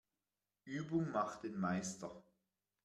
Übung macht den Meister.